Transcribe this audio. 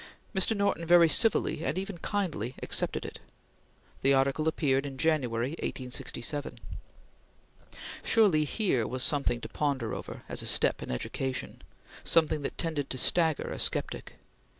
Mr. Norton very civilly and even kindly accepted it. The article appeared in January, 1867. Surely, here was something to ponder over, as a step in education; something that tended to stagger a sceptic!